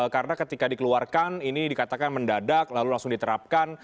karena ketika dikeluarkan ini dikatakan mendadak lalu langsung diterapkan